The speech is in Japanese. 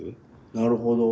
なるほど。